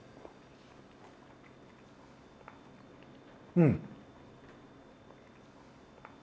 うん。